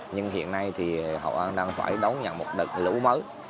nhưng hiện nay thì hậu an đang phải đón nhận một đợt lũ mới